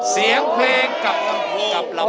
เสียงเพลงกับลำโพง